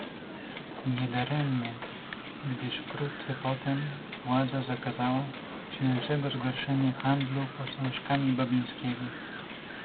"Nie daremnie, gdyż wkrótce potem władza zakazała siejącego zgorszenie handlu posążkami Babińskiego."